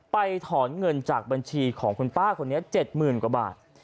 ถอนเงินจากบัญชีของคุณป้าคนนี้๗๐๐๐กว่าบาท